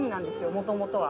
もともとは。